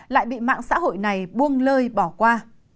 lại bị mạng xã hội này buông lơi bỏ qua